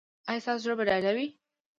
ایا ستاسو زړه به ډاډه وي؟